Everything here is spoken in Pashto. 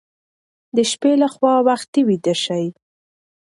د شپې لخوا وختي ویده شئ.